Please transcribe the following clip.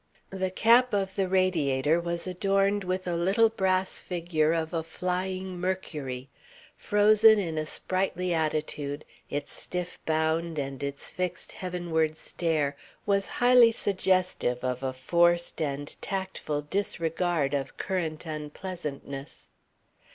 The cap of the radiator was adorned with a little brass figure of a flying Mercury. Frozen in a sprightly attitude, its stiff bound and its fixed heavenward stare was highly suggestive of a forced and tactful disregard of current unpleasantness.